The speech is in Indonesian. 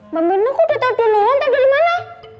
mbak mino kok udah tau dulu orang tau dari mana